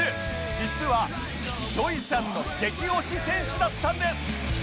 実は ＪＯＹ さんの激推し選手だったんです